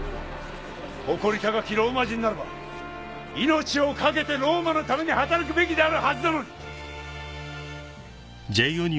誇り高きローマ人ならば命を懸けてローマのために働くべきであるはずなのに！